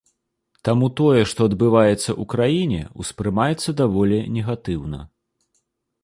Таму тое, што адбываецца ў краіне, ўспрымаецца даволі негатыўна.